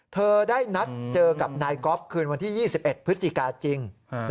เธอได้นัดเจอกับนายก๊อฟคืนวันที่๒๑พฤศจิกาจริง